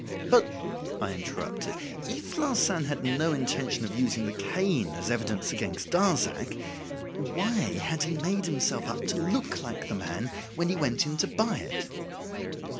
"But," I interrupted, "if Larsan had no intention of using the cane as evidence against Darzac, why had he made himself up to look like the man when he went in to buy it?"